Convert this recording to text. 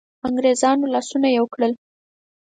انګرېزانو لاسونه یو کړل.